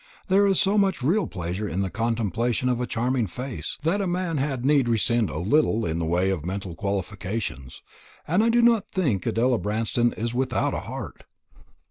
There is so much real pleasure in the contemplation of a charming face, that a man had need rescind a little in the way of mental qualifications. And I do not think Adela Branston is without a heart."